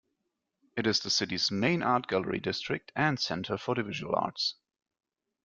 It is the city's main art gallery district and center for the visual arts.